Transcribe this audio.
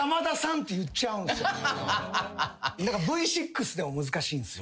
Ｖ６でも難しいんすよ。